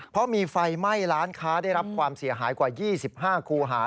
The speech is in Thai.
เพราะมีไฟไหม้ร้านค้าได้รับความเสียหายกว่า๒๕คูหา